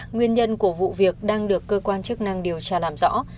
nguyên nhân của vụ việc đang được cơ quan chức năng điều tra làm rõ